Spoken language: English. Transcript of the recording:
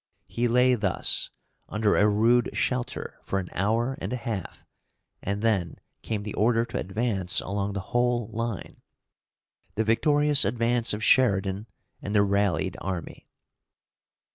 He lay thus, under a rude shelter, for an hour and a half, and then came the order to advance along the whole line, the victorious advance of Sheridan and the rallied army.